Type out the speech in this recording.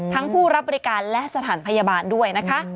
ผู้รับบริการและสถานพยาบาลด้วยนะคะ